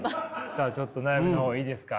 じゃあちょっと悩みの方いいですか？